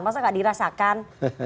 masa nggak dirasakan